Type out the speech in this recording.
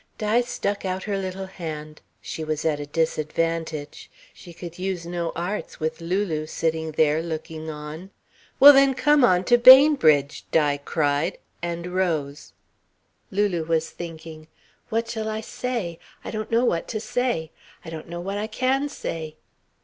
Di stuck out her little hand. She was at a disadvantage. She could use no arts, with Lulu sitting there, looking on. "Well, then, come on to Bainbridge," Di cried, and rose. Lulu was thinking: "What shall I say? I don't know what to say. I don't know what I can say."